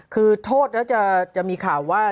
คือโทษแล้วจะมีข่าวว่า